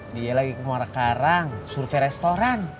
dia lagi ke muara karang survei restoran